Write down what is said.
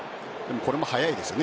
これも速いですよね。